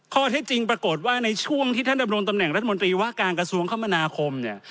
ข้อเท็จจริงปรากฏว่าในช่วงที่ท่านดำรงตำแหน่งรัฐมนตรีว่าการกระทรวงคมนาคมเนี่ย